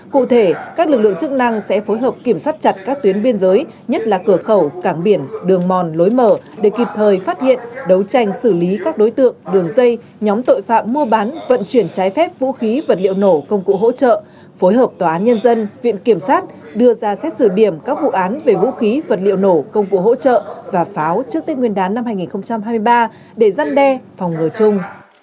cụ thể các lực lượng chức năng sẽ phối hợp kiểm soát chặt các tuyến biên giới nhất là cửa khẩu cảng biển đường mòn lối mở để kịp thời phát hiện đấu tranh xử lý các đối tượng đường dây nhóm tội phạm mua bán vận chuyển trái phép vũ khí vật liệu nổ công cụ hỗ trợ phối hợp tòa án nhân dân viện kiểm sát đưa ra xét dự điểm các vụ án về vũ khí vật liệu nổ công cụ hỗ trợ và pháo trước tết nguyên đán năm hai nghìn hai mươi ba để giăn đe phòng ngừa chung